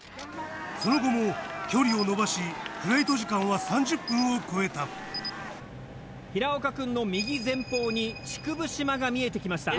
その後も距離をのばしフライト時間は３０分を超えた平岡くんの右前方に竹生島が見えてきました。